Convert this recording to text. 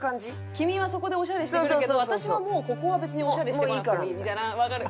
君はそこでオシャレしてくるけど私はもうここは別にオシャレしてこなくてもいいみたいな。わかる。